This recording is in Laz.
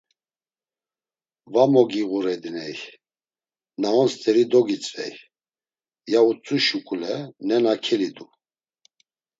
“Va mogiğurediney, na on st̆eri dogitzvey.” ya utzu şuǩule nena kelidu.